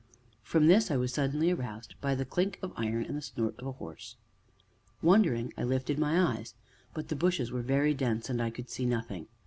From this I was suddenly aroused by the clink of iron and the snort of a horse. Wondering, I lifted my eyes, but the bushes were very dense, and I could see nothing.